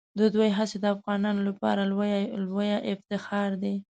د دوی هڅې د افغانانو لپاره لویه افتخار دي.